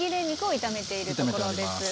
肉を炒めているところです。